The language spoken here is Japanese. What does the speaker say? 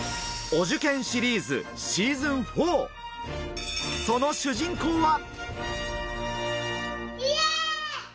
お受験シリーズシーズン４、その主人公は。